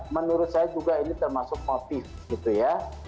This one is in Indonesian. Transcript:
menurut saya ini juga termasuk motif gitu ya